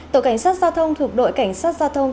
tổ cảnh sát giao thông thuộc đội cảnh sát giao thông